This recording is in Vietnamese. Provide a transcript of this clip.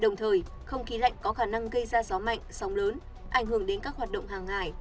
đồng thời không khí lạnh có khả năng gây ra gió mạnh sóng lớn ảnh hưởng đến các hoạt động hàng ngày